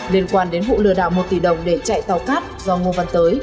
liên quan đến vụ lừa đảo một tỷ đồng để chạy tàu cát do ngô văn tới